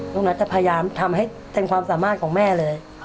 นัทจะพยายามทำให้เต็มความสามารถของแม่เลย